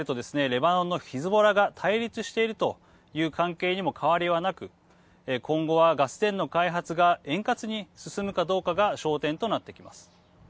レバノンのヒズボラが対立しているという関係にも変わりはなく今後はガス田の開発が円滑に進むかどうかが焦点となってきます。